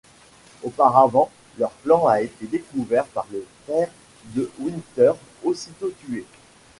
Auparavant, leur plan a été découvert par le père de Winters, aussitôt tué.